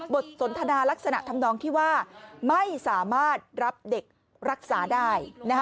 สนทนาลักษณะทำนองที่ว่าไม่สามารถรับเด็กรักษาได้